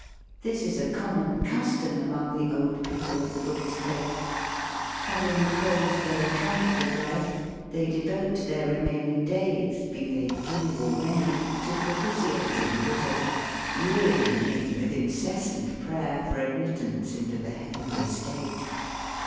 This is a common custom among the old people of the Buddhist faith. Having closed their account with life, they devote their re maining days, be they few or many, to pro pitiating Buddha, wearying him with incessant prayer for admittance into the heavenly state.